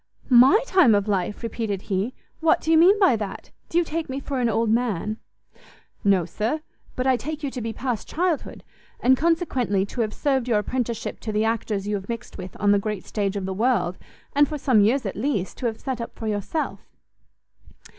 "My time of life!" repeated he; "what do you mean by that? do you take me for an old man?" "No, sir, but I take you to be past childhood, and consequently to have served your apprenticeship to the actors you have mixed with on the great stage of the world, and, for some years at least, to have set up for yourself."